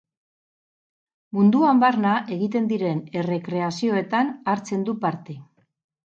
Munduan barna egiten diren errekreazioetan hartzen du parte.